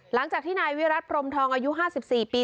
หลังจากที่นายวิรัติพรมทองอายุ๕๔ปี